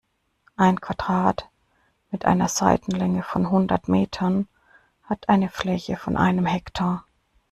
Ein Quadrat mit einer Seitenlänge von hundert Metern hat eine Fläche von einem Hektar.